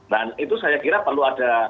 dan itu saya kira perlu ada